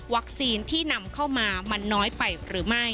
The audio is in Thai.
ที่นำเข้ามามันน้อยไปหรือไม่